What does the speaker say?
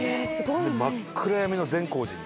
真っ暗闇の善光寺に。